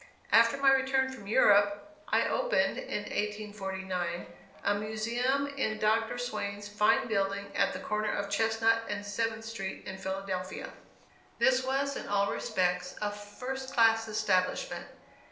After my return from Europe, I opened, in 1849, a Museum in Dr. Swain's fine building, at the corner of Chestnut and Seventh streets, in Philadelphia. This was in all respects a first class establishment.